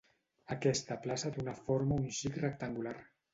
Aquesta plaça té una forma un xic rectangular.